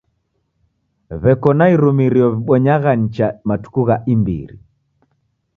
W'eko na irumirio w'ibonyagha nicha matuku gha imbiri.